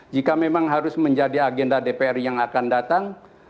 jika memang harus menjadi agenda dpr yang akan datang